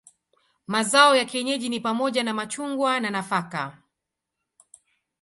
Mazao ya kienyeji ni pamoja na machungwa na nafaka.